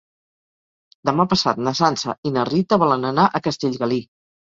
Demà passat na Sança i na Rita volen anar a Castellgalí.